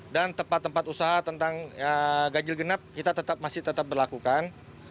dan tempat tempat usaha tentang ganjil genap kita masih tetap berlakukan